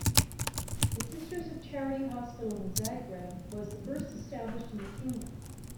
The Sisters of Charity Hospital in Zagreb was the first established in the kingdom.